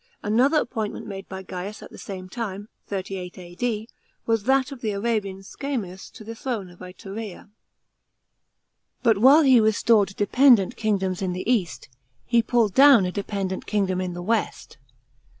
Another, appoint ment made by Gaius at the same time (38 A.D.) was that of the Arabian S< agmus to the throne of Iturasa. But while he restored dependent kingdoms in the east, he pulled down a de| e dent kingdom in the west.